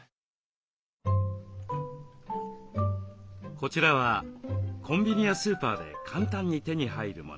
こちらはコンビニやスーパーで簡単に手に入るもの。